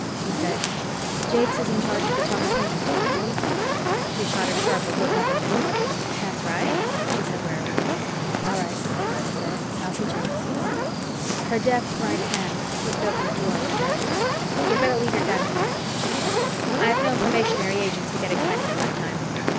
He said, "Jakes is in charge of the Tommy Paine routine, isn't he?" She shot a sharper look up at him. "That's right," she said warily. "All right," Ronny said. "I'll see Jakes." Her deft right hand slipped open a drawer in her desk. "You'd better leave your gun here," she said. "I've known probationary agents to get excited, in my time."